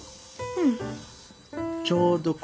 うん。